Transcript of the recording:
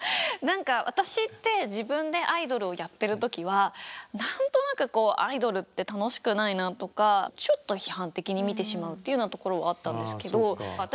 何か私って自分でアイドルをやってる時は何となくちょっと批判的に見てしまうっていうようなところはあったんですけど私